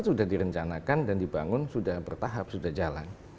sudah direncanakan dan dibangun sudah bertahap sudah jalan